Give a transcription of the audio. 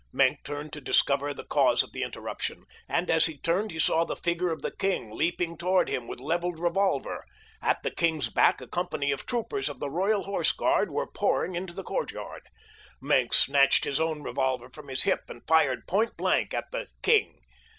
Maenck turned to discover the cause of the interruption, and as he turned he saw the figure of the king leaping toward him with leveled revolver. At the king's back a company of troopers of the Royal Horse Guard was pouring into the courtyard. Maenck snatched his own revolver from his hip and fired point blank at the "king."